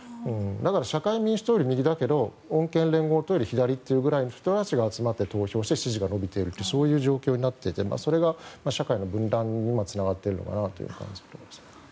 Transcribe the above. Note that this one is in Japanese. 社会民主党より右だけど、穏健連合より左というくらいの人たちが集まって投票して支持が伸びているというそういう状況になっていてそれが社会の分断にもつながっている感じですね。